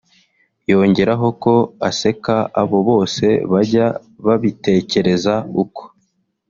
yongeraho ko aseka abo bose bajya babitekereza uko